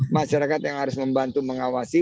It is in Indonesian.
masyarakat yang harus membantu mengawasi